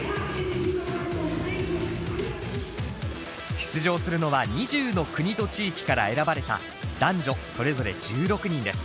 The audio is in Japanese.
出場するのは２０の国と地域から選ばれた男女それぞれ１６人です。